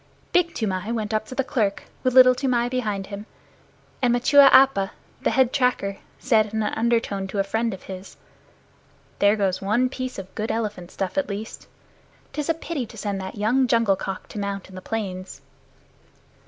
Big Toomai went up to the clerk with Little Toomai behind him, and Machua Appa, the head tracker, said in an undertone to a friend of his, "There goes one piece of good elephant stuff at least. 'Tis a pity to send that young jungle cock to molt in the plains."